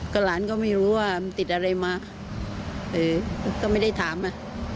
ก็หลานก็ไม่รู้ว่ามันติดอะไรมาก็ไม่ได้ถามอ่ะ